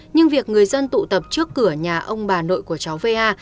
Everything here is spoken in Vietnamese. nhưng việc người dân tụ tập trước cửa nhà ông bà nội của cháu va